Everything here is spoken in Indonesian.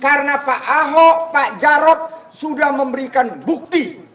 karena pak ahok pak jarod sudah memberikan bukti